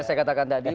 ya saya katakan tadi